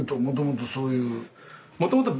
もともとそういう？